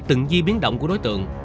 từng di biến động của đối tượng